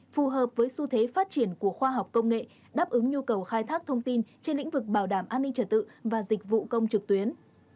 phù hợp với xu thế phát triển của khoa học công nghệ đáp ứng nhu cầu khai thác thông tin trên lĩnh vực bảo đảm an ninh trật tự và dịch vụ công trực tuyến